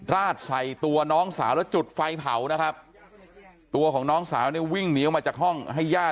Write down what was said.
ราดใส่ตัวน้องสาวแล้วจุดไฟเผานะครับตัวของน้องสาวเนี่ยวิ่งหนีออกมาจากห้องให้ญาติ